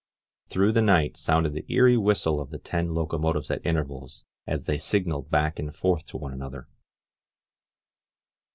Through the night sounded the eerie whistle of the ten locomotives at intervals as they signaled back and forth to one another.